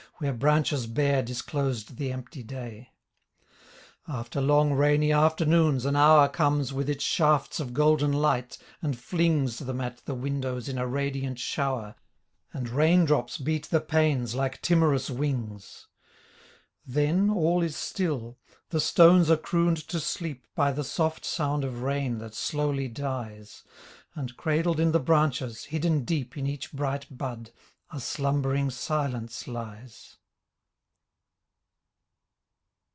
Where branches bare disclosed the empty day. After long rainy afternoons an hour Comes with its shafts of golden light and flings Them at the windows in a radiant shower. And rain drops beat the panes like timorous wings. Then all is still. The stones are crooned to sleep By the soft sound of rain that slowly dies ; And cradled in the branches, hidden deep In each bright bud, a slumbering silence lies.